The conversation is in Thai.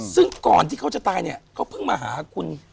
แต่ตอนที่เขาจะตายแล้วเขาเพิ่งมาหาคุณ